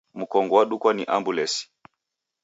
Mkongo wadukwa ni ambulesi